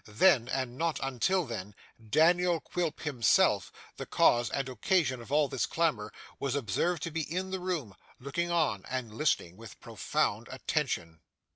Then, and not until then, Daniel Quilp himself, the cause and occasion of all this clamour, was observed to be in the room, looking on and listening with profound attention.